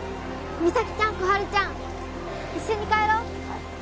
実咲ちゃん心春ちゃん一緒に帰ろう